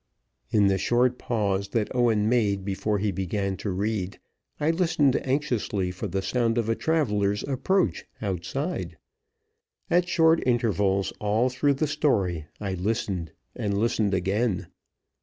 In the short pause that Owen made before he began to read, I listened anxiously for the sound of a traveler's approach outside. At short intervals, all through the story, I listened and listened again.